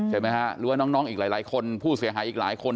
ใช่ไหมฮะหรือว่าน้องอีกหลายคนผู้เสียหายอีกหลายคน